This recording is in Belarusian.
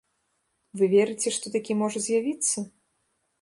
Вы верыце, што такі можа з'явіцца?